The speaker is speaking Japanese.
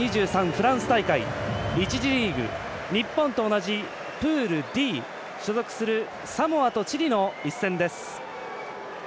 フランス大会１次リーグ、日本と同じプールＤ所属するサモアとチリの一戦です。